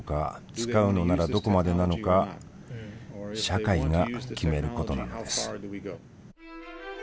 使うのならどこまでなのか社会が決めることなのです。